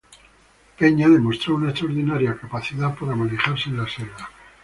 Peña demostró una extraordinaria capacidad para manejarse en la selva.